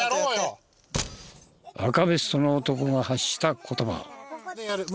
赤ベストの男が発した言葉。